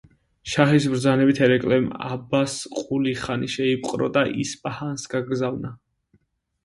შაჰის ბრძანებით ერეკლემ აბას ყული-ხანი შეიპყრო და ისპაჰანს გაგზავნა.